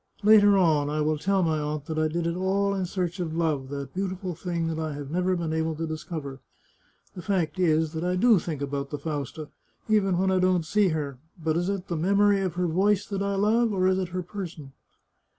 Later on I will tell my aunt that I did it all in search of love, that beautiful thing that I have never been able to discover. The fact is that I do think about Fausta, even when I don't see her; but is it the memory of her voice that I love, or is it her person